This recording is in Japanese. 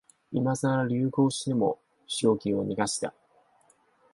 今さら流行しても商機を逃した